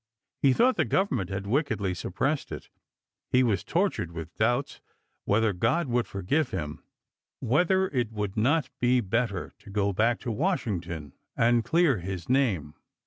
1 He thought the Government had wickedly suppressed it; he was tortured with doubts whether Grod would forgive him, whether it would not be better to go back to Washington and " clear his name."